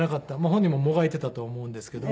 本人ももがいていたと思うんですけど。